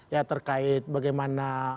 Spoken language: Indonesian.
ya terkait bagaimana